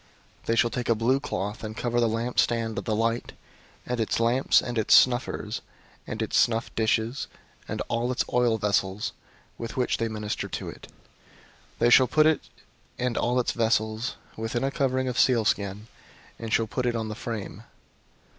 004:009 They shall take a blue cloth, and cover the lampstand of the light, and its lamps, and its snuffers, and its snuff dishes, and all its oil vessels, with which they minister to it. 004:010 They shall put it and all its vessels within a covering of sealskin, and shall put it on the frame.